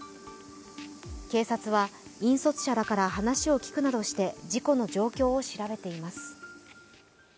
警察は引率者らから話を聞くなどして事故の状況を調べています。